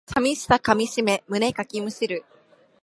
寂しさかみしめ胸かきむしる